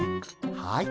はい。